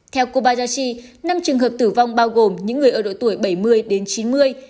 theo kobayashi năm trường hợp tử vong bao gồm những người ở độ tuổi bảy mươi đến chín mươi